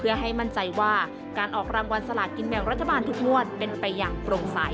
เพื่อให้มั่นใจว่าการออกรางวัลสลากินแบ่งรัฐบาลทุกงวดเป็นไปอย่างโปร่งใส